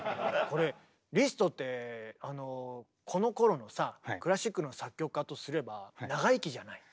これリストってこのころのさクラシックの作曲家とすれば長生きじゃない。